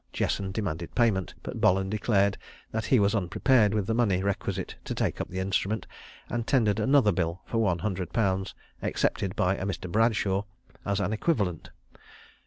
Jesson demanded payment; but Bolland declared that he was unprepared with the money requisite to take up the instrument, and tendered another bill for one hundred pounds, accepted by a Mr. Bradshaw, as an equivalent.